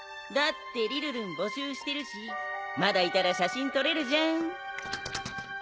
だってりるるん募集してるしまだいたら写真撮れるじゃん。